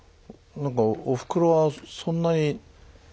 なんかおふくろはそんなに。